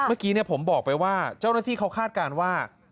เมื่อกี้ผมบอกไปว่าเจ้าหน้าที่เขาคาดการณ์ว่า